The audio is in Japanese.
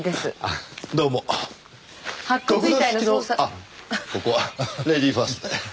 あっここはレディーファーストで。